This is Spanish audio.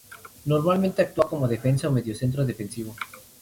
Normalmente actúa como defensa o mediocentro defensivo.